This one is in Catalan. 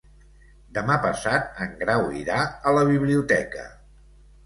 Demà passat en Grau irà a la biblioteca.